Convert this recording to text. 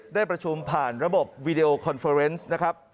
ได้ประชุมผ่านระบบวีดีโอคอนเฟอร์เนสนะครับ